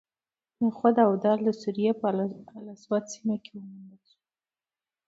نخود او دال د سوریې په الاسود سیمه کې وموندل شول.